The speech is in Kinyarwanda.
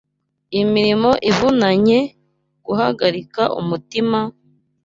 imirimo ivunanye, guhagarika umutima,